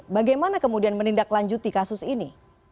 bagaimana kemudian menindaklanjuti kasus ini